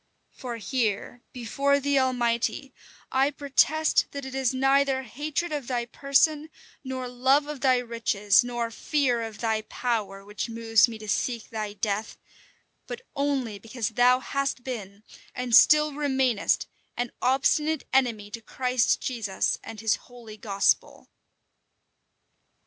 For here, before the Almighty, I protest that it is neither hatred of thy person, nor love of thy riches, nor fear of thy power, which moves me to seek thy death; but only because thou hast been, and still remainest, an obstinate enemy to Christ Jesus and his holy gospel."